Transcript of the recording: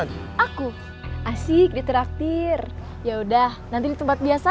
nah siap pitup